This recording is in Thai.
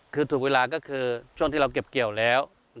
คือถูกเวลาก็คือช่วงที่เราเก็บเกี่ยวแล้ว